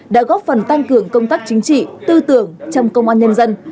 đã góp phần tăng cường công tác chính trị tư tưởng trong công an nhân dân